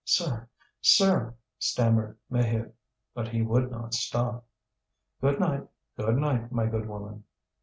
"Sir, sir!" stammered Maheude. But he would not stop. "Good night, good night, my good woman."